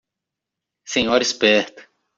Senhora esperta